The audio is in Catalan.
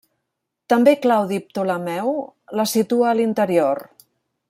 També Claudi Ptolemeu la situa a l'interior.